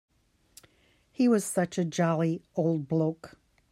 He was such a jolly old bloke.